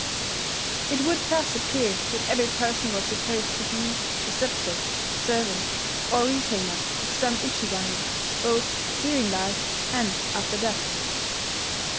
] It would thus appear that every person was supposed to be the subject, servant, or retainer of some Ujigami, both during life and after death.